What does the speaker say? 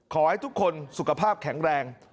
ขอให้ทุกคนสุขภาพแข็งแรง